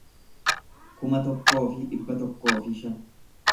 kuma tokkoo fi dhibba tokkoo fi shan